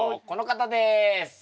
この方です。